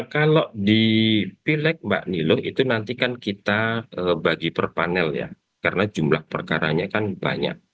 kalau di pileg mbak nilo itu nanti kan kita bagi per panel ya karena jumlah perkaranya kan banyak